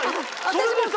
それでさ